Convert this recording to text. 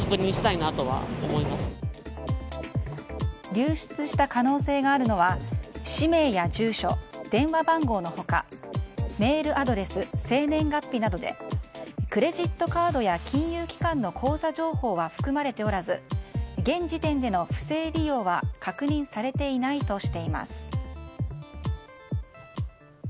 流出した可能性があるのは氏名や住所、電話番号の他メールアドレス、生年月日などでクレジットカードや金融機関の口座情報は含まれておらず現時点での不正利用は確認されていないとしています。